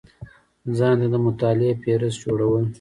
ځان ته د مطالعې فهرست جوړول